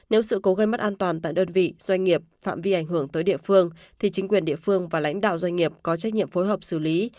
nếu sự cố gây mất an toàn tại đơn vị doanh nghiệp phạm vi ảnh hưởng tới địa phương thì chính quyền địa phương và lãnh đạo doanh nghiệp có trách nhiệm phối hợp xử lý